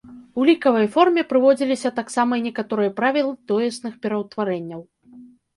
У лікавай форме прыводзіліся таксама і некаторыя правілы тоесных пераўтварэнняў.